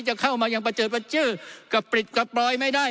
จะเข้ามายังประเจิดประจื้อกระปริดกระปลอยไม่ได้